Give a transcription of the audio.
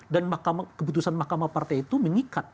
dan keputusan mahkamah partai itu mengikat